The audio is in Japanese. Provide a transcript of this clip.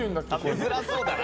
「食べづらそうだな」